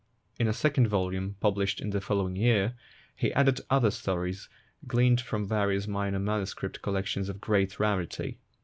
In a second volume, published in the following year, he added other stories gleaned from various minor manuscript collections of great rarity.